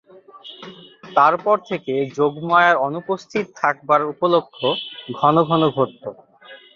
তার পর থেকে যোগমায়ার অনুপস্থিত থাকবার উপলক্ষ ঘন ঘন ঘটত।